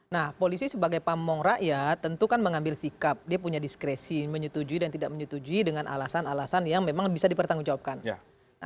nah polisi sebagai pamong rakyat tentu kan mengambil sikap dia punya diskresi menyetujui dan tidak menyetujui dengan alasan alasan yang memang bisa dipertanggungjawabkan